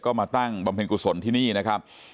ก็มาตั้งบำเพ็ญกุศลที่นี่นะครับ